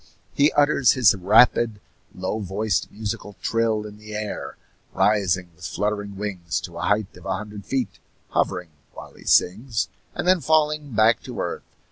He utters his rapid, low voiced musical trill in the air, rising with fluttering wings to a height of a hundred feet, hovering while he sings, and then falling back to earth.